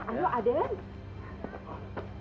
jangan sendiri aja